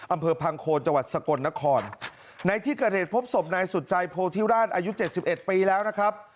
อำเภอพังโคนจังหวัดสกลนครในที่เกิดเหตุพบศพนายสุดใจโพธิราชอายุเจ็ดสิบเอ็ดปีแล้วนะครับ